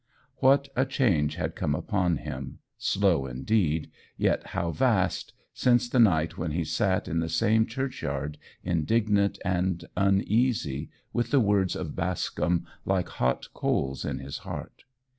What a change had come upon him slow, indeed, yet how vast, since the night when he sat in the same churchyard indignant and uneasy with the words of Bascombe like hot coals in his heart!